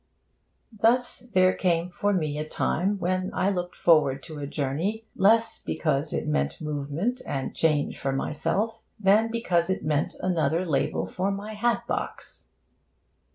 Thus there came for me a time when I looked forward to a journey less because it meant movement and change for myself than because it meant another label for my hat box.